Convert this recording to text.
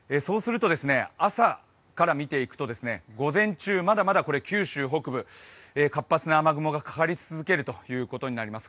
朝から見ていくと午前中、まだまだ九州北部活発な雨雲がかかり続けるということになります。